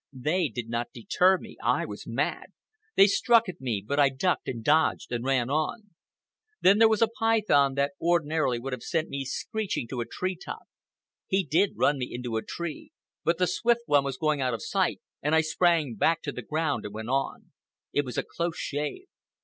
They did not deter me. I was mad. They struck at me, but I ducked and dodged and ran on. Then there was a python that ordinarily would have sent me screeching to a tree top. He did run me into a tree; but the Swift One was going out of sight, and I sprang back to the ground and went on. It was a close shave.